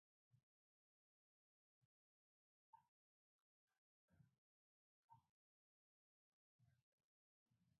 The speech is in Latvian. Reliģijas vēsturi uzskatīja par pasaules vēstures sastāvdaļu, tādējādi tai piemērojama formāli zinātniska izpēte.